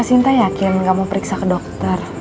sinta yakin kamu periksa ke dokter